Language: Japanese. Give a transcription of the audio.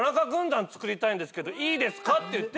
「いいですか？」って言って。